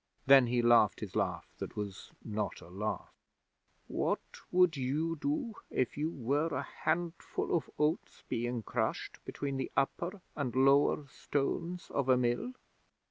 Then he laughed his laugh that was not a laugh. "What would you do if you were a handful of oats being crushed between the upper and lower stones of a mill?"